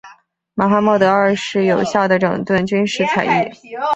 马哈茂德二世有效地整顿军事采邑。